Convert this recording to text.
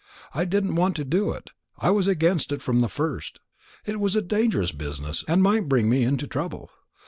I didn't want to do it; I was against it from the first. It was a dangerous business, and might bring me into trouble.